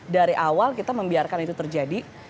dari awal kita membiarkan itu terjadi